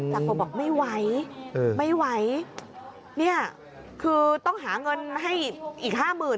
อืมจังหวะบอกไม่ไหวเออไม่ไหวเนี้ยคือต้องหาเงินให้อีกห้าหมื่น